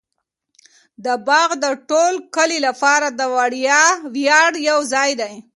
دا باغ د ټول کلي لپاره د ویاړ یو ځای دی.